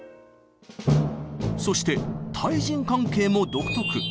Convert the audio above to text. そして対人関係も独特。